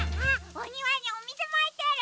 おにわにおみずまいてる。